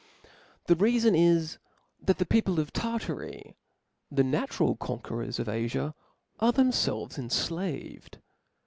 The reafon is, that the people of Tartary, the natural ccuiqaerors of Afia, are themfelves enflaved.